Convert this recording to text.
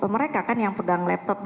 mereka kan yang pegang laptop